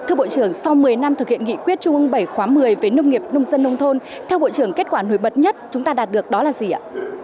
thưa bộ trưởng sau một mươi năm thực hiện nghị quyết trung ương bảy khóa một mươi về nông nghiệp nông dân nông thôn theo bộ trưởng kết quả nổi bật nhất chúng ta đạt được đó là gì ạ